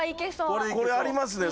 「これありますね。